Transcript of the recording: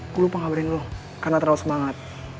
gue lupa ngabarin lo karena terlalu semangat